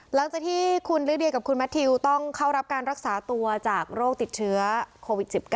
หลังจากที่คุณลิเดียกับคุณแมททิวต้องเข้ารับการรักษาตัวจากโรคติดเชื้อโควิด๑๙